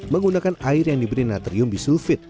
menggunakan air yang diberi natrium bisulfit